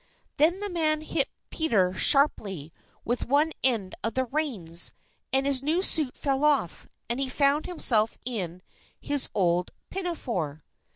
Then the man hit Peter sharply with one end of the reins, and his new suit fell off, and he found himself in his old pinafore.